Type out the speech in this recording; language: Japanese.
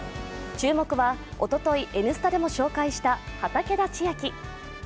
注目はおととい、「Ｎスタ」でも紹介した畠田千愛。